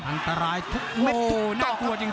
อันตรายทุกเม็ดน่ากลัวจริง